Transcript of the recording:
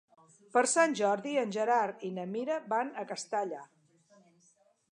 Per Sant Jordi en Gerard i na Mira van a Castalla.